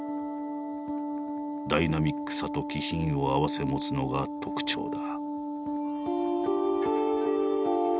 ダイナミックさと気品を併せ持つのが特徴だ。